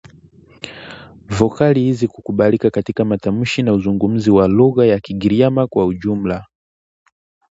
vokali hizi kukubalika katika matamshi na uzungumzi wa lugha ya Kigiryama kwa jumla